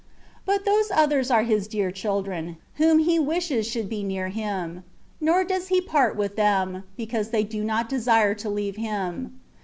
But those others are His dear children, whom He wishes should be near Him ; nor does He part with them, because they do not desire to leave Him.